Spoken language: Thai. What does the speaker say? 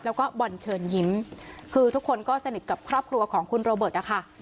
แล้วก็บอลเชิญยิ้มคือทุกคนก็สนิทกับครอบครัวของคุณโรเบิร์ตนะคะ